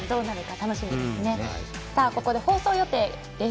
ここで放送予定です。